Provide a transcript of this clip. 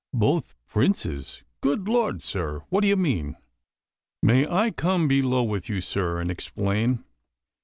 "Both princes Good Lord, sir, what do you mean?" "May I come below with you, sir, and explain?